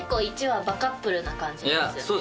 １話バカップルな感じですよね